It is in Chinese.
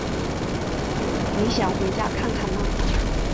你想回家看看吗？